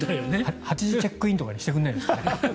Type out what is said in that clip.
８時チェックインとかにしてくれないですかね。